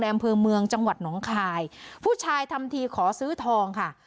อำเภอเมืองจังหวัดหนองคายผู้ชายทำทีขอซื้อทองค่ะ